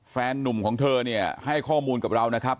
นุ่มของเธอเนี่ยให้ข้อมูลกับเรานะครับ